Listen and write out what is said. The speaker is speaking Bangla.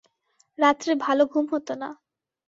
রাত্রে ভালো ঘুম হত না।